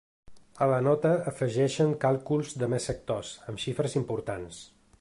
A la nota afegeixen càlculs de més sectors, amb xifres importants.